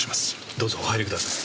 どうぞお入りください。